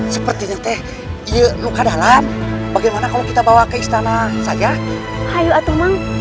seperti itu teh yuk luka dalat bagaimana kalau kita bawa ke istana saja hayo atau